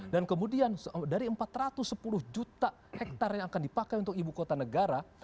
dan kemudian dari empat ratus sepuluh juta hektare yang akan dipakai untuk ibu kota negara